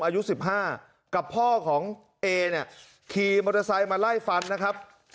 อายุ๑๕กับพ่อของเอเนี่ยขี่มอเตอร์ไซค์มาไล่ฟันนะครับ